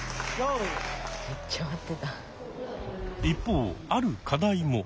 一方ある課題も。